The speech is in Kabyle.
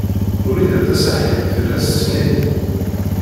Wrida Tasaḥlit tella tessen-itt.